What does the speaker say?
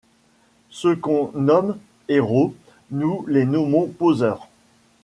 Ceux qu'on nomme héros, nous les nommons poseurs ;